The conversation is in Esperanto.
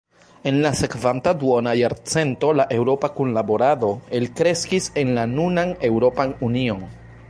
En la sekvanta duona jarcento la eŭropa kunlaborado elkreskis en la nunan Eŭropan Union.